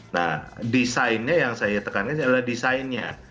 nah desainnya yang saya tekankan adalah desainnya